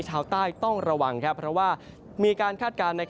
ชาวใต้ต้องระวังเพราะว่ามีการคาดการณ์